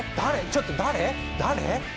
ちょっと誰？